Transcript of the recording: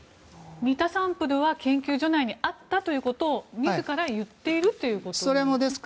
似たサンプルは研究所内にあったということを自ら言っているということですか？